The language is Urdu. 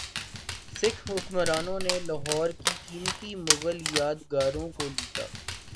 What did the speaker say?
سکھ حکمرانوں نے لاہور کی قیمتی مغل یادگاروں کو لوٹا